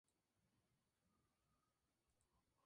Trata temas mitológicos y clásicos.